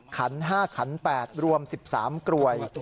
ขัน๕ขัน๘รวม๑๓กรวย